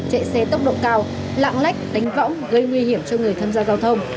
chạy xe tốc độ cao lạng lách đánh võng gây nguy hiểm cho người tham gia giao thông